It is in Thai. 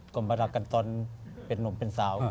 ก็มารักกันตอนเป็นนุ่มเป็นสาว